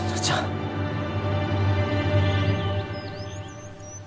園ちゃん。